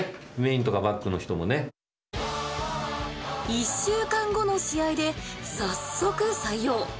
１週間後の試合で早速採用！